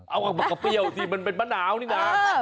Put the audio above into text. เอากับเปรี้ยวที่มันเป็นมะนาวนี่นะ